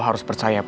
lo harus percaya pak